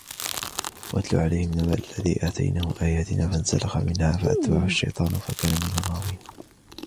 واتل عليهم نبأ الذي آتيناه آياتنا فانسلخ منها فأتبعه الشيطان فكان من الغاوين